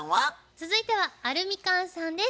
続いてはアルミカンさんです。